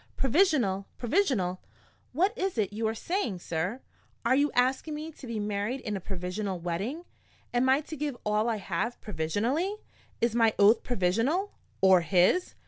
"Provisional? Provisional? What is it you are saying, sir? Are you asking me to be married in a provisional wedding? Am I to give all I have provisionally? Is my oath provisional, or his?"